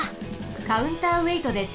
カウンターウェイトです。